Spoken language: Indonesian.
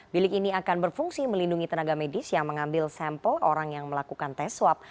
bilik ini akan berfungsi melindungi tenaga medis yang mengambil sampel orang yang melakukan tes swab